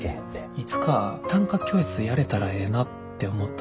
いつか短歌教室やれたらええなって思った。